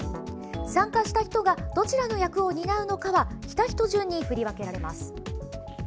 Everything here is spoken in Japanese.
参加した人がどちらの役を担うのかは来た人順に振り分けられます。